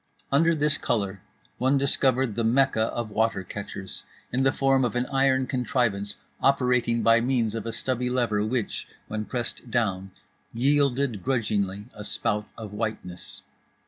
Under this colour one discovered the Mecca of water catchers in the form of an iron contrivance operating by means of a stubby lever which, when pressed down, yielded grudgingly a spout of whiteness.